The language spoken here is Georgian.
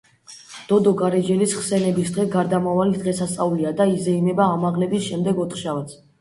დოდო გარეჯელის ხსენების დღე გარდამავალი დღესასწაულია და იზეიმება ამაღლების შემდეგ ოთხშაბათს.